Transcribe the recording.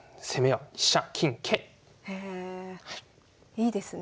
いいですね。